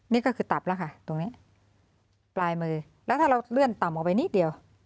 นี่ก็คือตับแล้วค่ะตรงนี้ปลายมือแล้วถ้าเราเลื่อนต่ำออกไปนิดเดียว